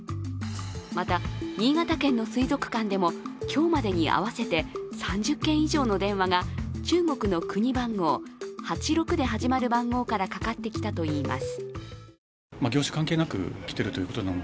また新潟県の水族館でも今日までに合わせて３０件以上の電話が中国の国番号８６で始まる番号からかかってきたといいます。